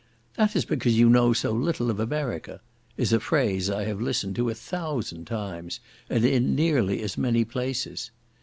"That is because you know so little of America," is a phrase I have listened to a thousand times, and in nearly as many different places.